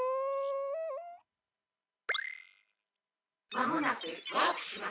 「まもなくワープします」。